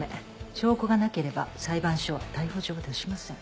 証拠がなければ裁判所は逮捕状を出しません。